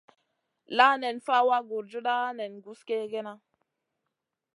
La nen fawa gurjuda nen guss kegena.